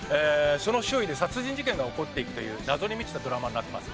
その周囲で殺人事件が起こっていくという謎に満ちたドラマになってます。